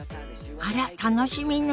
あら楽しみね。